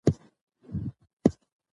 ایا نجیب الدوله په جګړه کې ټپي شوی و؟